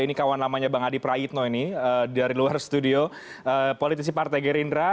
ini kawan lamanya bang adi prayitno ini dari luar studio politisi partai gerindra